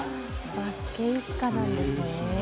バスケ一家なんですね。